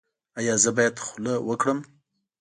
ایا زه باید خوله وکړم؟